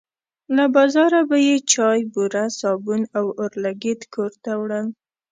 له بازاره به یې چای، بوره، صابون او اورلګیت کور ته وړل.